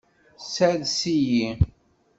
Sers-iyi.